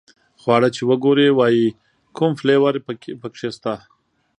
خواړه چې وګوري وایي کوم فلېور په کې شته.